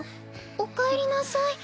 おかえりなさい。